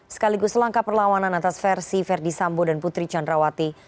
sekaligus langkah perlawanan atas versi verdi sambo dan putri candrawati